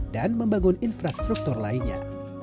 dan membangun infrastruktur lainnya